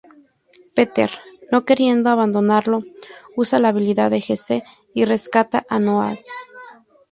Peter, no queriendo abandonarlo, usa la habilidad de Jesse y rescata a Noah.